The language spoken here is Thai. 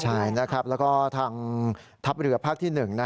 ใช่นะครับแล้วก็ทางทัพเรือภาคที่๑